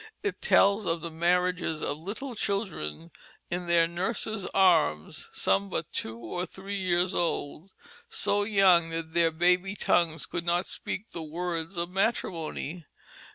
It tells of the marriages of little children in their nurses' arms, some but two or three years old, so young that their baby tongues could not speak the words of matrimony.